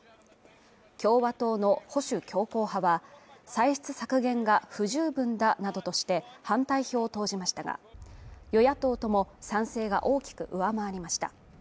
共和党の保守強硬派は歳出削減が不十分だなどとして反対票を投じましたが、与野党とも賛成が大きく上回りました。